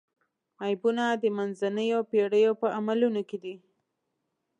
عیبونه د منځنیو پېړیو په عملونو کې دي.